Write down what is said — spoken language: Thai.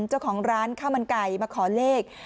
เจ้าของร้านข้าวมันไก่มาขอเลข